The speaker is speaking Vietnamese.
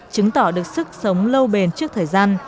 chứng tỏ được sức sống lâu bền trước thời gian